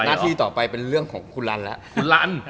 หน้าที่ต่อไปเป็นเรื่องของคุณรันดร์ละ